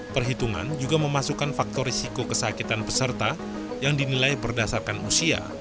perhitungan juga memasukkan faktor risiko kesakitan peserta yang dinilai berdasarkan usia